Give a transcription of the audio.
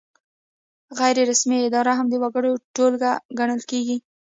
غیر رسمي اداره هم د وګړو ټولګه ګڼل کیږي.